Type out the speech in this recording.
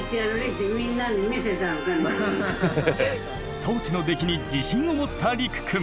装置の出来に自信を持ったりくくん。